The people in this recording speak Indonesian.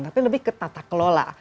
tapi lebih ke tata kelola